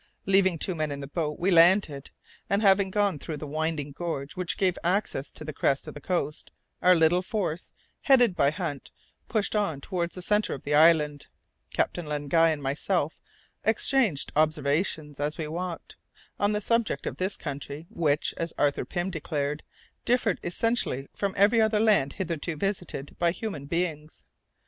Leaving two men in the boat, we landed, and having gone through the winding gorge which gave access to the crest of the coast, our little force, headed by Hunt, pushed on towards the centre of the island. Captain Len Guy and myself exchanged observations, as we walked, on the subject of this country, which, as Arthur Pym declared, differed essentially from every other land hitherto visited by human beings.